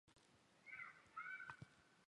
密苏里大学坐落于此。